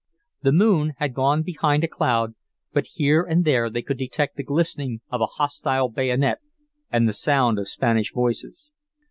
The moon had gone behind a cloud, but here and there they could detect the glistening of a hostile bayonet, and the sound of Spanish voices.